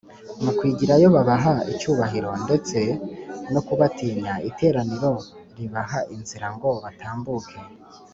Mu kwigirayo babaha icyubahiro, ndetse no kubatinya, iteraniro ribaha inzira ngo batambuke